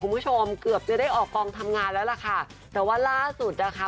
คุณผู้ชมเกือบจะได้ออกกองทำงานแล้วล่ะค่ะแต่ว่าล่าสุดนะคะ